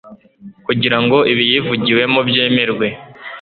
kugira ngo ibiyivugiwemo byemerwe